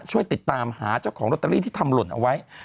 ช่วยติดตามหาเจ้าของลอตเตอรี่ที่ทำหล่นเอาไว้